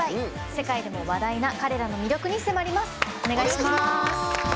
世界でも話題な彼らの魅力に迫ります。